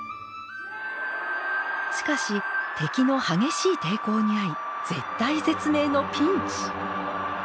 しかし敵の激しい抵抗に遭い絶体絶命のピンチ。